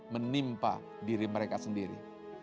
menimpa diri mereka sendiri